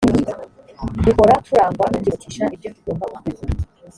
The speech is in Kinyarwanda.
dukora turangwa no kwihutisha ibyo tugomba gukora